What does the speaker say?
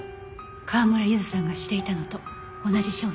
川村ゆずさんがしていたのと同じ商品ね。